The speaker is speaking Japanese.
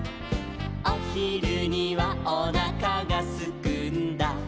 「おひるにはおなかがすくんだ」